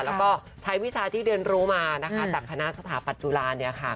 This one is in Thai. แล้วก็ใช้วิชาที่เรียนรู้มานะคะจากคณะสถาปัตจุฬาเนี่ยค่ะ